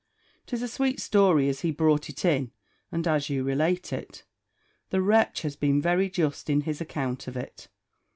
'Tis a sweet story as he brought it in, and as you relate it. The wretch has been very just in his account of it.